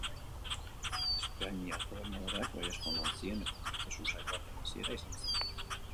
Espainiar gobernadoreak baiezkoa eman zien eta prozesu zail baten hasiera izan zen.